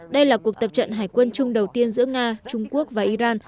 đây là cuộc tập trận hải quân chung đầu tiên giữa nga trung quốc và iran